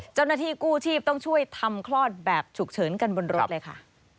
เจ้าหน้าที่กู้ชีพต้องช่วยทำคลอดแบบฉุกเฉินกันบนรถเลยค่ะ